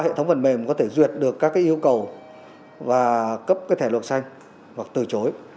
hệ thống phần mềm có thể duyệt được các cái yêu cầu và cấp cái thẻ luồng xanh hoặc từ chối